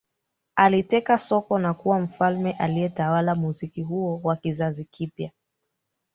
Aliteka soko na kuwa mfalme aliyetawala muziki huo wa kizazi kipya